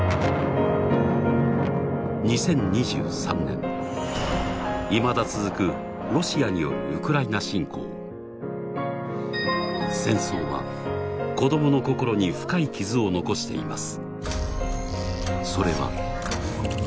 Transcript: ２０２３年いまだ続くロシアによるウクライナ侵攻戦争は子どもの心に深い傷を残しています